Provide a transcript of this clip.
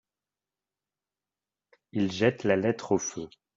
II jette la lettre au feu.